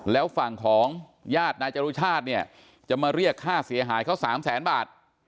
แล้วฝั่งของญาตินายจรุชาติเนี่ยจะมาเรียกค่าเสียหายเขา๓แสนบาท